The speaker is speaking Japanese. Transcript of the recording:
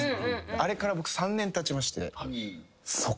あれから僕３年たちまして。